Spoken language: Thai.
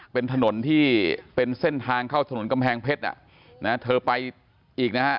เป็นถนนที่เป็นเส้นทางเข้าถนนกำแพงเพชรเธอไปอีกนะฮะ